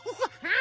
あ！